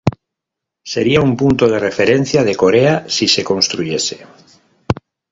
Seria un punto de referencia de Corea si se construyese.